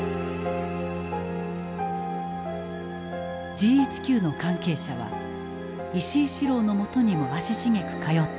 ＧＨＱの関係者は石井四郎のもとにも足しげく通っていた。